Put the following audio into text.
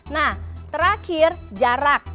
nah terakhir jarak